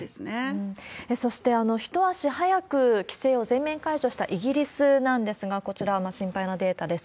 そして、一足早く規制を全面解除したイギリスなんですが、こちら、心配なデータです。